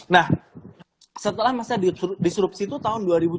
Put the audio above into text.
nah setelah masa disrupsi itu tahun dua ribu tujuh belas